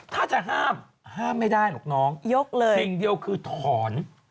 ถ้าจะห้ามห้ามไม่ได้หรอกน้องยกเลยสิ่งเดียวคือถอน